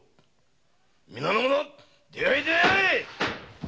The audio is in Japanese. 皆の者出会え出会え！